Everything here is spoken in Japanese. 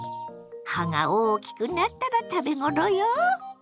葉が大きくなったら食べ頃よ。